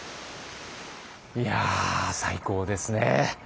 いや最高ですね。